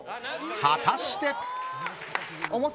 果たして。